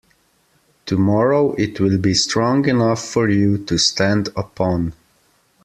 Tomorrow it will be strong enough for you to stand upon.